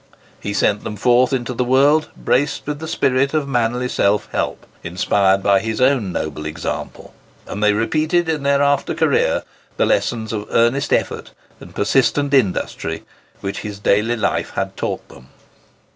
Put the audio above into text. He sent them forth into the world braced with the spirit of manly self help—inspired by his own noble example; and they repeated in their after career the lessons of earnest effort and persistent industry which his daily life had taught them.